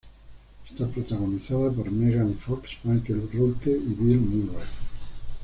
Está protagonizada por Megan Fox, Mickey Rourke y Bill Murray.